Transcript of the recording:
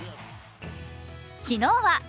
昨日は